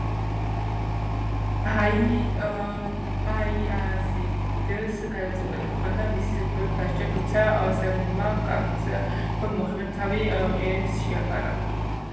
ბაიაზიდს გადაწყვეტილი ჰქონდა მისი სიკვდილით დასჯა, თუმცა სელიმმა გაქცევა მოახერხა და თავი ყირიმს შეაფარა.